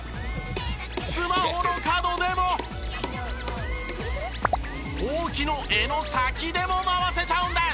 スマホの角でもほうきの柄の先でも回せちゃうんです。